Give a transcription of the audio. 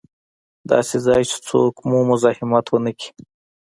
داسې ځای چې څوک مو مزاحمت و نه کړي.